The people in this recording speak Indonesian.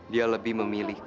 dia lebih memilih kamu